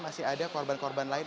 masih ada korban korban lain